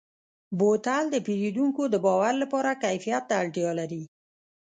بوتل د پیرودونکو د باور لپاره کیفیت ته اړتیا لري.